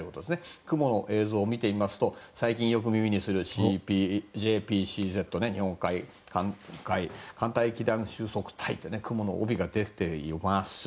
雲の映像を見てみますと最近よく見るＪＰＣＺ・日本海寒帯気団収束帯雲の帯が出ています。